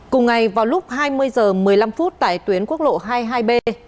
cùng ngày vào lúc hai mươi h một mươi năm phút tại tuyến quốc lộ hai mươi hai b